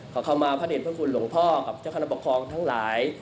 ขอเข้ามาพระเด็จพระคุณหลวงพ่อกับเจ้าคณะประคองทั้งหลาย